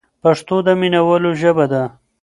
پښتو د مینوالو ژبه ده.